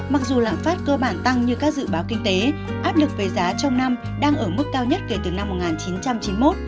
mặc dù lạm phát cơ bản tăng như các dự báo kinh tế áp lực về giá trong năm đang ở mức cao nhất kể từ năm một nghìn chín trăm chín mươi một